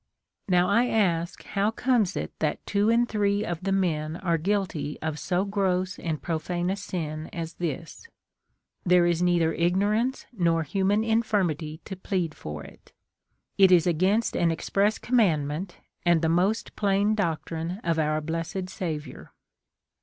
Now, I ask how comes it that two in three of the men are guilty of so gross and proikne a sin as this ? There is neither ignorance nor human infirmity to plead for it ; it is against an express command ment, and the most plain doctrine of our blessed Saviour.